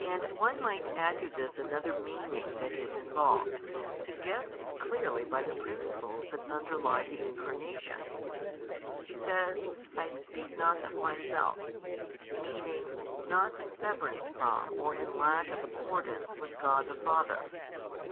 And one might add to this another meaning that is involved, suggested clearly by the principles that underlie the Incarnation. He says: I speak not of Myself, meaning "not in severance from or in lack of accordance with God the Father."